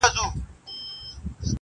زموږ اعمال د ځان سرمشق کړه تاریخ ګوره!